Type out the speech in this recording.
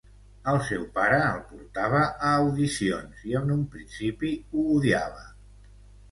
El seu pare el portava a audicions i en un principi ho odiava.